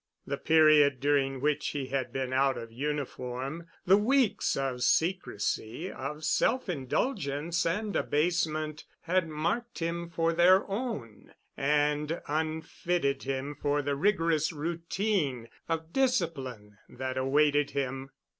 The period during which he had been out of uniform, the weeks of secrecy, of self indulgence and abasement, had marked him for their own, and unfitted him for the rigorous routine of discipline that awaited him.